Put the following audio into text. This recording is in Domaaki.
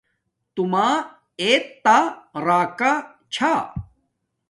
تو ما ایت تا راکا چھا